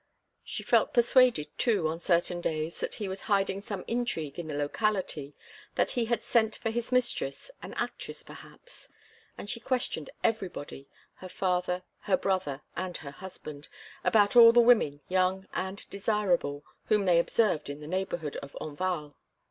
She felt persuaded, too, on certain days, that he was hiding some intrigue in the locality, that he had sent for his mistress, an actress perhaps. And she questioned everybody, her father, her brother, and her husband, about all the women young and desirable, whom they observed in the neighborhood of Enval.